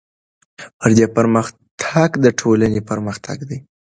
فردي پرمختګ د ټولنې پرمختګ دی.